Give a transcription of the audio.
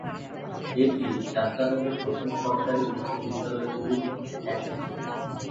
এটি চাট্টানুগার প্রথম সরকারি উচ্চ বিদ্যালয়গুলির মধ্যে একটি ছিল।